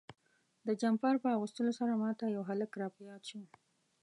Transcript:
د جمپر په اغوستلو سره ما ته یو هلک را په یاد شو.